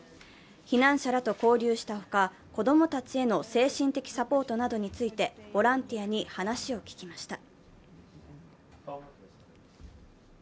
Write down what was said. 避難者らと交流したほか、子供たちへの精神的サポートなどについてボランティアに話を聞きました。